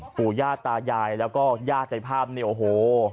ปู่ย่าตายายแล้วก็ญาติในภาพเนี่ยโอ้โห